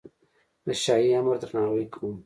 د شاهي امر درناوی کوم.